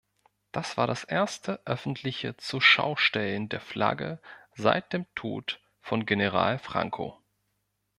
Das war das erste öffentliche Zurschaustellen der Flagge seit dem Tod von General Franco.